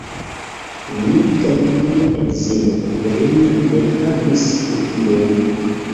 Li kaj lia edzino "Irina" ne havis gefilojn.